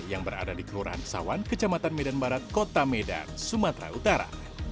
yang berada di kelurahan kesawan kecamatan medan barat kota medan sumatera utara